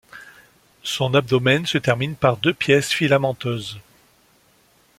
Son abdomen se termine par deux pièces filamenteuses.